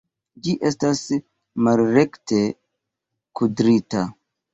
Ĝi estas malrekte kudrita!